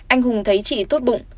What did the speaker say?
anh hùng thấy chị tốt bụng